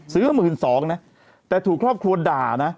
ซื้อ๑๒๐๐๐บาทแต่ถือครอบครัวด่า